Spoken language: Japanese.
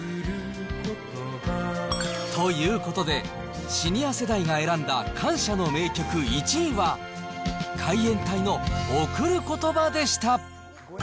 ということで、シニア世代が選んだ感謝の名曲１位は、海援隊の贈る言葉でした。